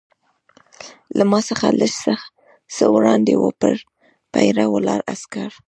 له ما څخه لږ څه وړاندې وه، پر پیره ولاړ عسکر.